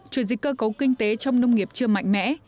chuyển dịch cơ cấu kinh tế trong nông nghiệp chưa mạnh mẽ